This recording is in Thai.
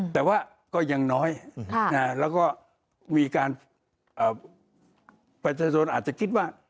แต่ว่าก็ยังน้อยแล้วก็มีการประชาชนอาจจะคิดว่า